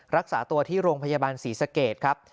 รักษาตัวที่โรงพยาบาลศรีสเกตครับ